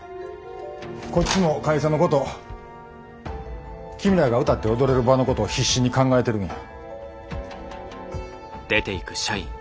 こっちも会社のこと君らが歌って踊れる場のことを必死に考えてるんや。